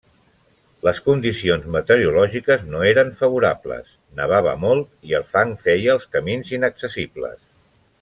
Les condicions meteorològiques no eren favorables, nevava molt i el fang feia els camins inaccessibles.